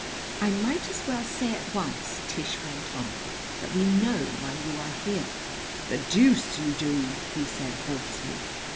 "I might as well say at once," Tish went on, "that we know why you are here " "The deuce you do!" he said hoarsely.